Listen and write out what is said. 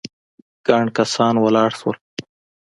ګڼ کسان ولاړ شول.